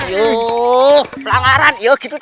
ya pelanggaran ya gitu